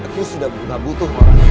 aku sudah tidak butuh waranian suamiku